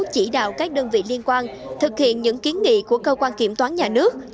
chỉ đạo các đơn vị liên quan thực hiện những kiến nghị của cơ quan kiểm toán nhà nước